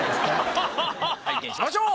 拝見しましょう！